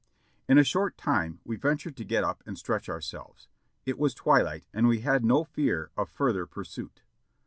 In a short time we ventured to get up and stretch ourselves , it was twihght and we had no fear of further pursuit.